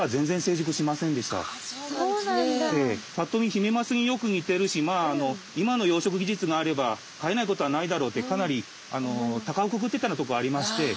ぱっと見ヒメマスによく似てるし今の養殖技術があれば飼えないことはないだろうってかなりたかをくくってたようなところありまして。